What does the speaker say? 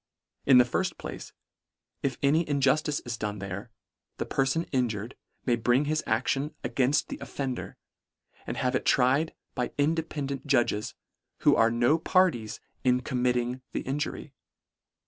In the firft place, if any injustice is done there, the perfon injured may bring his action againft the offender, and have it tried by independant judges, who are b no parties in committing the injury.